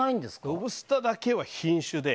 ロブスタだけは品種で。